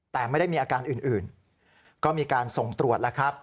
แต่ไม่ได้มีอาการอื่นก็มีการส่งตรวจแล้วครับ